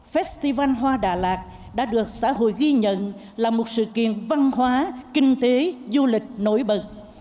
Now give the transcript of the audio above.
festival hoa đà lạt đã được xã hội ghi nhận là một sự kiện văn hóa kinh tế du lịch nổi bật